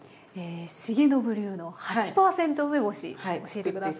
重信流の８％梅干し教えて下さい。